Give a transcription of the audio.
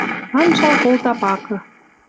Анжал колта пакы